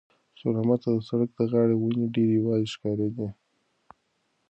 خیر محمد ته د سړک د غاړې ونې ډېرې یوازې ښکارېدې.